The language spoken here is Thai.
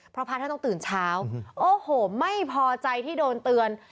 พระพระท่านต้องตื่นเช้าโอ้โหไม่พอใจที่โดนเตือน